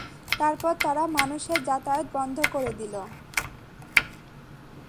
তারপর তারা মানুষের যাতায়াত বন্ধ করে দিল।